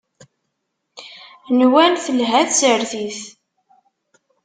Nwant telha tsertit.